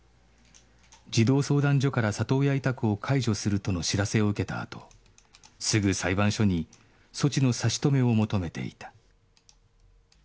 児童相談所から里親委託を解除するとの知らせを受けたあとすぐ裁判所に措置の差し止めを求めていた